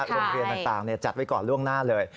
โรงเรียนต่างจัดไว้ก่อนล่วงหน้าเลย